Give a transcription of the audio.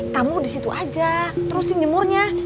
tamu di situ aja terusin jemurnya